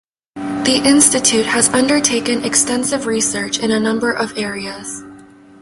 The Institute has undertaken extensive research in a number of areas.